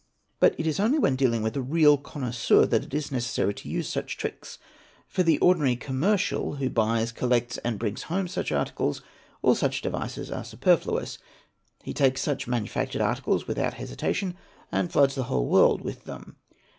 But it is only when dealing with a real connoisseur that it is necessary — to use such tricks; for the ordinary commercial, who buys, collects, and brings home such articles, all such devices are superfluous; he takes" | such manufactured articles without hesitation and floods the whole world with them.